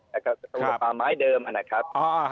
สำหรับปลาไม้เดิมนะครับ